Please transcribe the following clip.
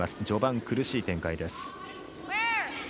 序盤、苦しい展開です。